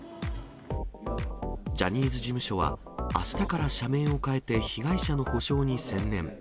ジャニーズ事務所はあしたから社名を変えて、被害者の補償に専念。